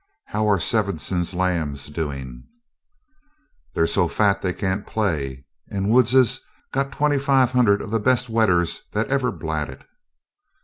How are Svenson's lambs doing?" "They're so fat they can't play and Woods's got twenty five hundred of the best wethers that ever blatted!"